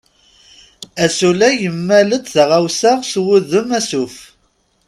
Asulay yemmal-d taɣawsa s wudem asuf.